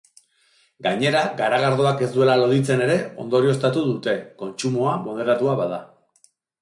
Gainera, garagardoak ez duela loditzen ere ondorioztatu dute, kontsumoa moderatua bada.